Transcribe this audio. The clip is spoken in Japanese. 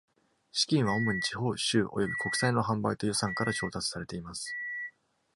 資金は主に地方、州、および国債の販売と予算から調達されています。